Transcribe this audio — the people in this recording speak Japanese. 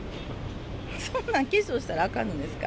そんなん化粧したらあかんのですか。